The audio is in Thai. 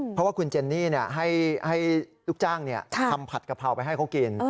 เพราะว่าคุณเจนนี่ให้ลูกจ้างทำผัดกะเพราไปให้เขากิน